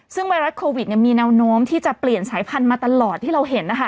ซึ่งไวรัสโควิดมีแนวโน้มที่จะเปลี่ยนสายพันธุ์มาตลอดที่เราเห็นนะคะ